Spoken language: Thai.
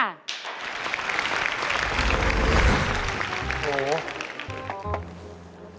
โอ้โห